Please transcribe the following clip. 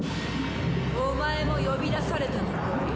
お前も呼び出されたのかい？